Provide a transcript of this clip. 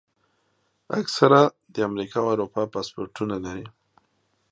اکثره د امریکا او اروپا پاسپورټونه لري.